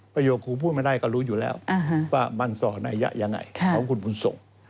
ประโยคครูพูดไม่ได้ก็รู้อยู่แล้วว่ามันสอนัยะยังไงของคุณบุญส่ง